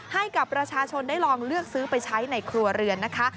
ให้กับประชาชนได้ลองเลือกซื้อไปใช้ในครัวเรือนนะคะ